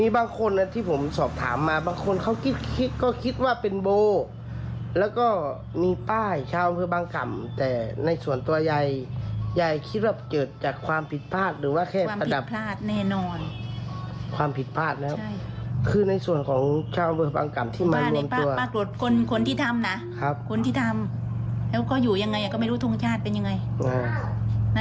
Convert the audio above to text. บางคนที่ผมสอบถามมาบางคนเขาคิดก็คิดว่าเป็นโบแล้วก็มีป้ายชาวอำเภอบางกล่ำแต่ในส่วนตัวยายยายคิดว่าเกิดจากความผิดพลาดหรือว่าแค่ประดับพลาดแน่นอนความผิดพลาดแล้วคือในส่วนของชาวอำเภอบางกล่ำที่มาเนี่ยปรากฏคนที่ทำนะคนที่ทำแล้วก็อยู่ยังไงก็ไม่รู้ทรงชาติเป็นยังไง